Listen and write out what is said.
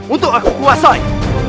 untuk aku kuasain